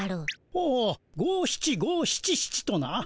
ほう五七五七七とな。